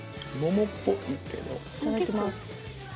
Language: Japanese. いただきます。